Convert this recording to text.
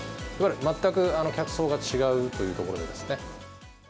全く客層が違うというところでですね。